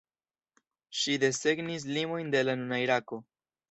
Ŝi desegnis limojn de la nuna Irako.